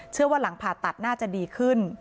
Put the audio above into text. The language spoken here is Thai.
เชื่อว่าหลังผ่าตัดน่าจะดีขึ้น